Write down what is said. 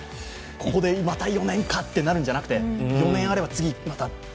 ここでまた４年かってなるんじゃなくて４年あれば次、また。